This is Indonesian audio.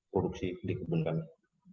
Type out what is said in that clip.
produksi di kebun kami